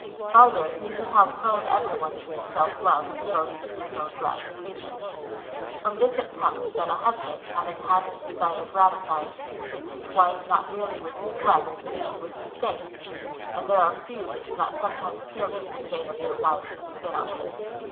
Farther, he knoAv how prone eveiy one is to self love, and devoted to his OAvn gratification. From this it comes, that a husband, having had his desire gratified, treats his Avife not merely Avith neglect, but even Avith dis dain ; and there are few that do not sometimes feel this disdain of their Avives creep in ujjon them.